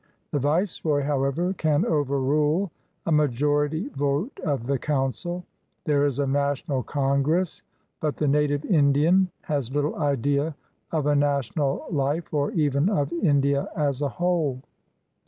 The Viceroy, how ever, can overrule a majority vote of the council. There is a national congress, but the native Indian has little idea of a national life or even of India as a whole.